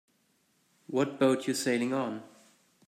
What boat you sailing on?